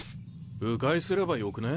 迂回すればよくね？